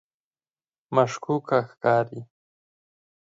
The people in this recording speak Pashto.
مشکوکه ښکاري.